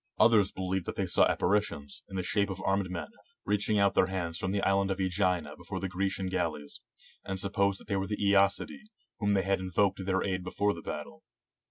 Others believed that they saw appa ritions, in the shape of armed men, reaching out their hands from the island of ^gina before the Grecian gal leys; and supposed they were the ^acidae, whom they had invoked to their aid before the battle.